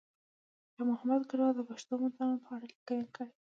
شاه محمود کډوال د پښتو متلونو په اړه لیکنه کړې ده